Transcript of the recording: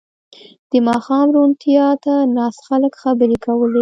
• د ماښام روڼتیا ته ناست خلک خبرې کولې.